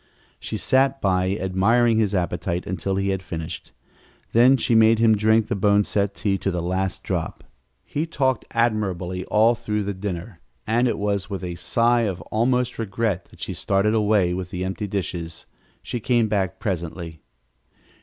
She sat by admiring his appetite until he had finished, then she made him drink the boneset tea to the last drop. He talked admirably all through the "dinner," and it was with a sigh of almost regret that she started away with the empty dishes. She came back presently.